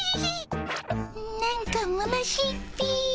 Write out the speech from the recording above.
なんかむなしいっピィ。